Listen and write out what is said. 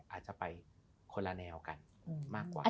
อาจจะไปคนละแนวกันมากกว่า